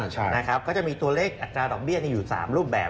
ใช่นะครับก็จะมีตัวเลขอัตราดอกเบี้ยอยู่๓รูปแบบ